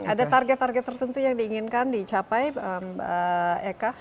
ada target target tertentu yang diinginkan dicapai mbak eka